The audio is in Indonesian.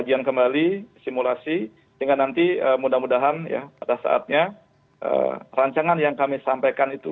jadi istilah saya saat itu